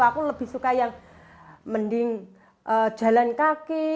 aku lebih suka yang mending jalan kaki